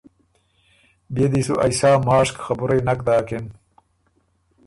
بيې دی سو ائ سا ماشک خبُرئ نک داکِن